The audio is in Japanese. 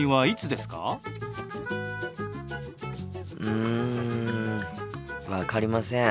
うん分かりません。